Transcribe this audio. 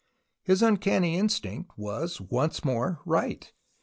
His uncanny instinct was once more right.